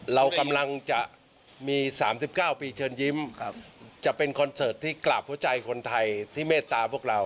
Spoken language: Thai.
เรากำลังจะมี๓๙ปีเชิญยิ้มจะเป็นคอนเสิร์ตที่กราบหัวใจคนไทยที่เมตตาพวกเรา